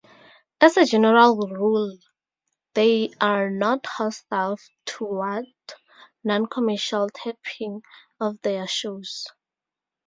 As a general rule, they are not hostile toward non-commercial taping of their shows.